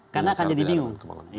karena akan jadi bingung